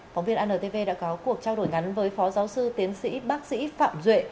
phóng viên antv đã có cuộc trao đổi ngắn với phó giáo sư tiến sĩ bác sĩ phạm duệ